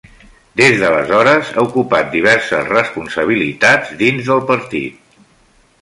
Des d'aleshores, ha ocupat diverses responsabilitats dins del partit.